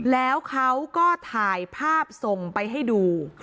แล้วเขาก็ถ่ายภาพส่งไปให้ดู